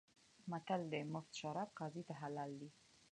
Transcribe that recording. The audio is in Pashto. متل دی: مفت شراب قاضي ته حلال دي.